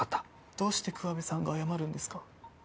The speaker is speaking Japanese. どうして桑部さんが謝るんですか？